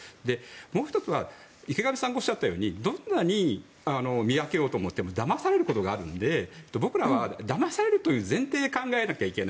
もう１つは池上さんがおっしゃったようにどんなに見分けようと思ってもだまされることがあるので僕らは、だまされるという前提で考えないといけない。